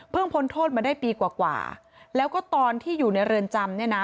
พ้นโทษมาได้ปีกว่าแล้วก็ตอนที่อยู่ในเรือนจำเนี่ยนะ